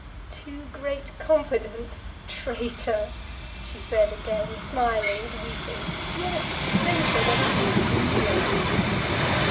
"Too great confidence! Traitor," she said again, smiling and weeping, "yes, traitor; when of course you knew it."